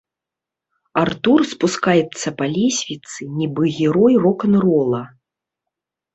Артур спускаецца па лесвіцы, нібы герой рок-н-рола.